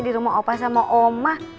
di rumah opa sama omah